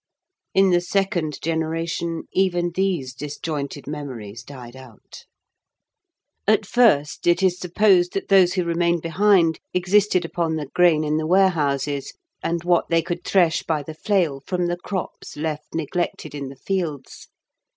In the second generation even these disjointed memories died out. At first it is supposed that those who remained behind existed upon the grain in the warehouses, and what they could thresh by the flail from the crops left neglected in the fields.